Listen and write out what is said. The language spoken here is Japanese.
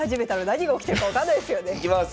いきます！